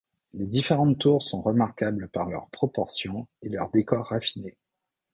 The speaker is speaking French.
Les différentes tours sont remarquables par leurs proportions et leur décor raffiné.